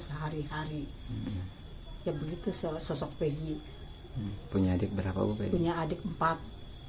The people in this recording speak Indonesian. sehari hari ya begitu sosok peggy punya adik berapa punya adik empat